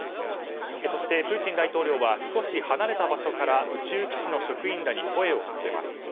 そして、プーチン大統領は少し離れた場所から宇宙基地の職員らに声をかけます。